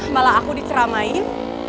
malah aku diceramain